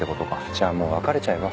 じゃあもう別れちゃえば？